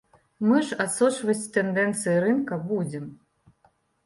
Мы ж адсочваць тэндэнцыі рынка будзем.